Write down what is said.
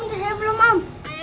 om saya belum om